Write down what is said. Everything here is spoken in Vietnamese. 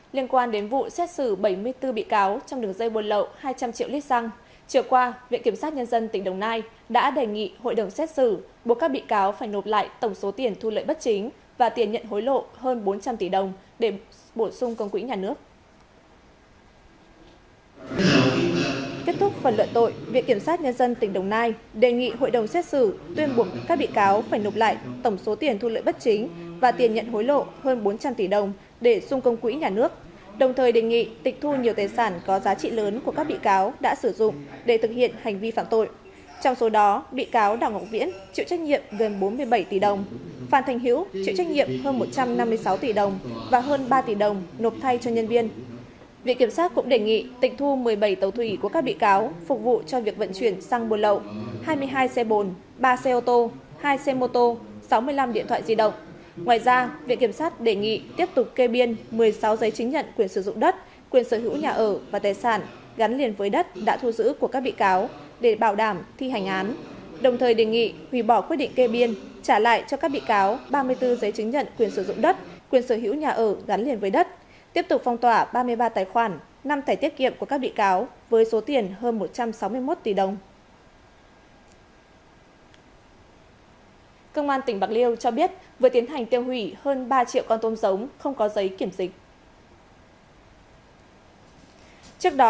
liên quan đến vụ xét xử bảy mươi bốn bị cáo trong đường dây buồn lậu hai trăm linh triệu lít xăng trường qua viện kiểm sát nhân dân tỉnh đồng nai đã đề nghị hội đồng xét xử buộc các bị cáo phải nộp lại tổng số tiền thu lợi bất chính và tiền nhận hối lộ hơn bốn trăm linh tỷ đồng để bổ sung công quỹ nhà nước